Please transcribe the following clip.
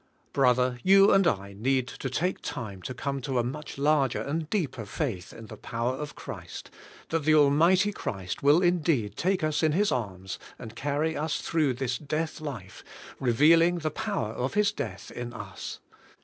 Brother, j^ou and I need to take time to come to a much larger and deeper faith in the power of Christ, that the almighty Christ will in deed take us in His arms and carry us through this death life, revealing the power of His death in us.